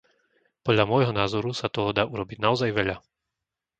Podľa môjho názoru sa toho dá urobiť naozaj veľa.